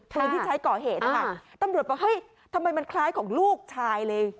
ปืนที่ใช้ก่อเหตุนะคะตำรวจบอกเฮ้ยทำไมมันคล้ายของลูกชายเลย